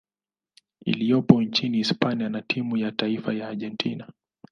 iliyopo nchini Hispania na timu ya taifa ya Argentina.